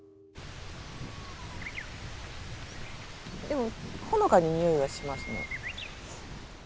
でもほのかににおいはしますね。